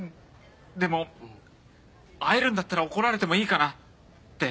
でも会えるんだったら怒られてもいいかなって。